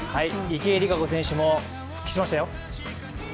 池江璃花子選手も復帰しましたよ。